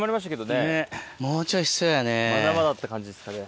まだまだって感じですかね。